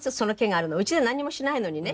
うちでなんにもしないのにね